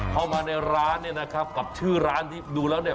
เข้ามาในร้านเนี่ยนะครับกับชื่อร้านที่ดูแล้วเนี่ย